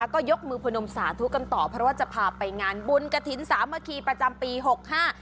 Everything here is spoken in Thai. ก็ยกมือพนมสาธุกันต่อเพราะว่าจะพาไปงานบุญกระถิ่นสามัคคีประจำปีหกห้า